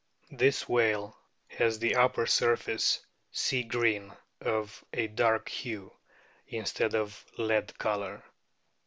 This whale has the upper surface sea green, of a dark hue, instead of lead colour.